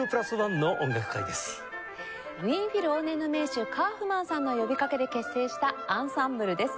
ウィーン・フィル往年の名手カウフマンさんの呼びかけで結成したアンサンブルです。